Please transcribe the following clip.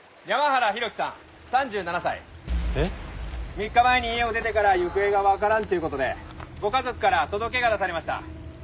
３日前に家を出てから行方がわからんという事でご家族から届が出されました。